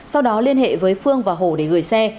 sau đó liên hệ với phương và hồ để gửi xe